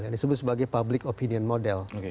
yang disebut sebagai public opinion model